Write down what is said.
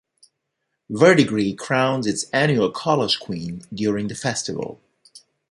Verdigre crowns its annual Kolach Queen during this festival.